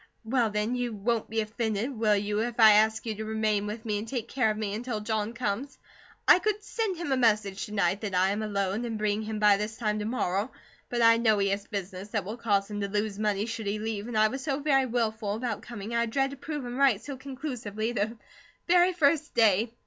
"Well, then, you won't be offended, will you, if I ask you to remain with me and take care of me until John comes? I could send him a message to night that I am alone, and bring him by this time to morrow; but I know he has business that will cause him to lose money should he leave, and I was so wilful about coming, I dread to prove him right so conclusively the very first day.